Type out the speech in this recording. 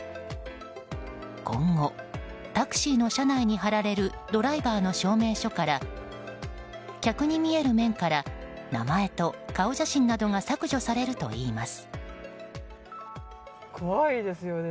今後タクシーの車内に貼られるドライバーの証明書から客に見える面から名前と顔写真などが削除されるといいます。